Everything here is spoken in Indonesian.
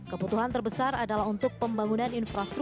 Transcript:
kebutuhan terbesar adalah untuk pembangunan infrastruktur